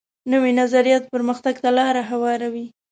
نوی نظریات پرمختګ ته لار هواروي